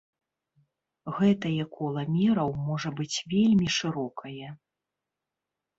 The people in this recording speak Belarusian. Гэтае кола мераў можа быць вельмі шырокае.